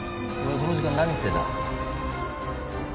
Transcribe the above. この時間何してた？